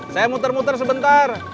saya muter muter sebentar